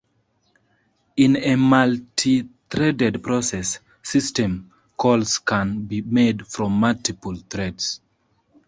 In a multithreaded process, system calls can be made from multiple threads.